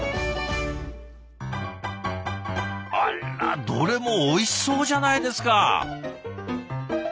あらどれもおいしそうじゃないですか。